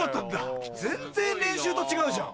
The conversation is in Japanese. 全然練習と違うじゃん。